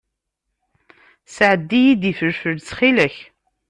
Sɛeddi-iyi-d ifelfel, ttxil-k.